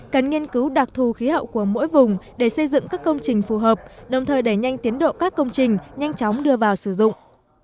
cần nghiên cứu đặc thù khí hậu của mỗi vùng để xây dựng các công trình phù hợp đồng thời đẩy nhanh tiến độ các công trình nhanh chóng đưa vào sử dụng